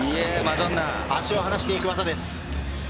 足を離していく技です。